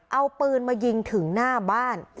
เอาปืนมายิงถึงหน้าบ้าน